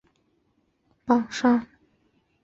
表示仍在榜上